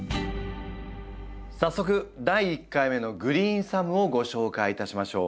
早速第１回目のグリーンサムをご紹介いたしましょう。